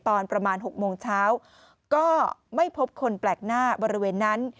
ตอนประมาณ๖โมงเช้าก็ไม่พบคนแปลกหน้าบริเวณนั้น